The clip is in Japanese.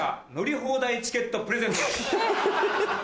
放題チケットプレゼント。